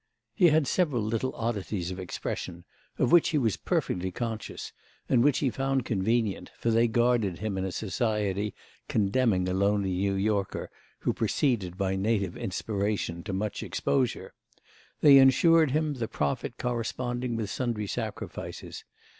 He had several little oddities of expression, of which he was perfectly conscious and which he found convenient, for they guarded him in a society condemning a lonely New Yorker who proceeded by native inspiration to much exposure; they ensured him the profit corresponding with sundry sacrifices.